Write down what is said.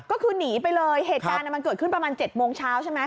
ก็คือหนีไปเลยเหตุการณ์มันเกิดขึ้นประมาณ๗โมงเช้าใช่ไหม